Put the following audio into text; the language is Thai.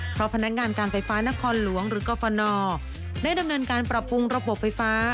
เพราะพนักงานการไฟฟ้านครหลวงหรือกรฟนได้ดำเนินการปรับปรุงระบบไฟฟ้า